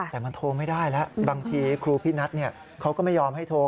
แต่มันโทรไม่ได้แล้วบางทีครูพี่นัทเขาก็ไม่ยอมให้โทร